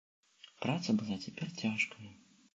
Праца была цяпер цяжкая.